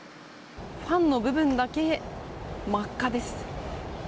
ファンの部分だけ真っ赤です。